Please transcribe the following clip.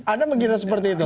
anda menggiris seperti itu